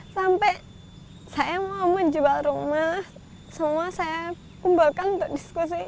sampai saya mau menjual rumah semua saya kumpulkan untuk diskusi